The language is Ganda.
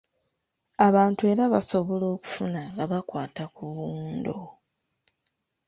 Abantu era basobola okubufuna nga bakwata ku buwundo.